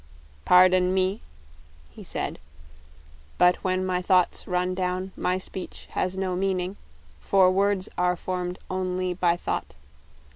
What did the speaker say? "Par don me," he said, "but when my thoughts run down, my speech has no mean ing, for words are formed on ly by thought.